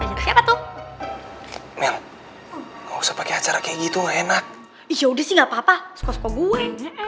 jangan lupa subscribe like share dan share